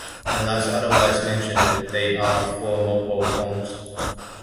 Unless otherwise mentioned they are for mobile phones.